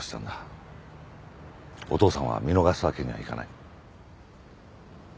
お父さんは見逃すわけにはいかない。